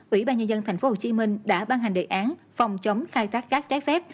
ủy ban nhân dân tp hcm đã ban hành đề án phòng chống khai thác cát trái phép